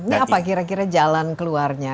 ini apa kira kira jalan keluarnya